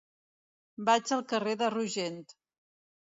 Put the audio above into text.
Vaig al carrer de Rogent.